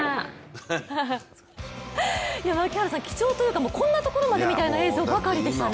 貴重というかこんなところまでみたいな映像ばかりでしたね。